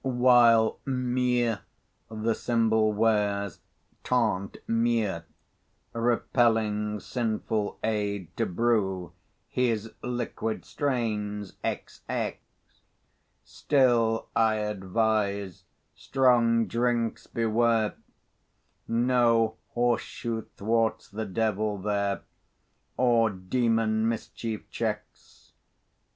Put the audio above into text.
While Meux the symbol wears, tant mieux, Repelling sinful aid to brew His liquid strains XX; Still, I advise, strong drinks beware, No horse shoe thwarts the devil there, Or demon mischief checks.